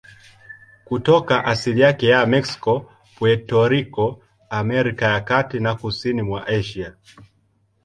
Kutoka asili yake ya Meksiko, Puerto Rico, Amerika ya Kati na kusini mwa Asia.